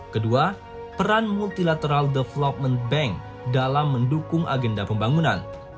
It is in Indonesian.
kedua peran multilateral development bank dalam mendukung agenda pembangunan